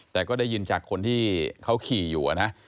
แต่ก็ได้ยินจากคนที่เขาขี่อยู่นะ